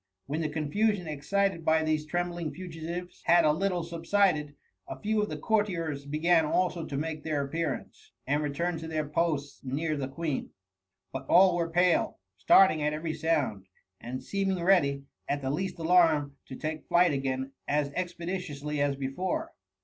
When the confusion excited by these trembling fugitives had a little subsided, a few of the courtiers began also to make their appearance, and return to their posts near the Queen. But all were pale, start ing at every sound, and seeming ready, at the least alarm, to take flight again as expeditiously as before.